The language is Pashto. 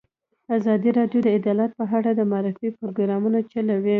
ازادي راډیو د عدالت په اړه د معارفې پروګرامونه چلولي.